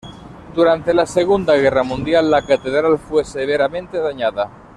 Durante la Segunda Guerra Mundial la catedral fue severamente dañada.